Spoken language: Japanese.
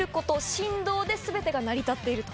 で全てが成り立っていると。